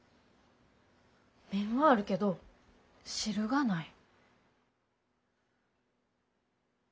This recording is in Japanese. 麺はあるけど汁がない。